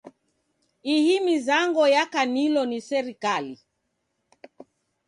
Ihi mizango yakanilo ni serikali.